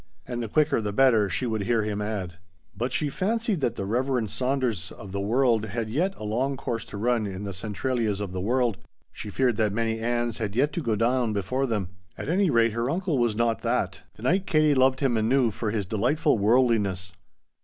"And the quicker the better," she could hear him add. But she fancied that the Reverend Saunderses of the world had yet a long course to run in the Centralias of the world. She feared that many Anns had yet to go down before them. At any rate, her uncle was not that. To night Katie loved him anew for his delightful worldliness.